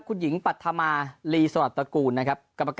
คุณหญิงปัธมาลีสวัสตระกูลนะครับ